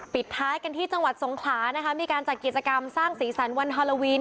ปิดท้ายกันที่จังหวัดทรงคลามีการจากกิจกรรมสร้างสีสันวันฮัลโหลวิน